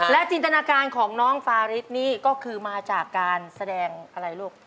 จินตนาการของน้องฟาริสนี่ก็คือมาจากการแสดงอะไรลูก